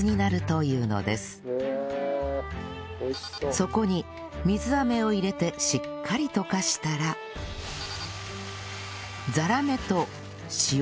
そこに水あめを入れてしっかり溶かしたらザラメと塩を入れます